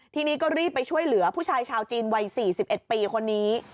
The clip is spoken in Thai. ทีนี้ก็รีบไปช่วยเหลือผู้ชายชาวจีนวัย๔๑ปีคนนี้